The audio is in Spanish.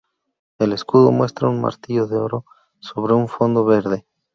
El escudo muestra un martillo de oro sobre un fondo verde.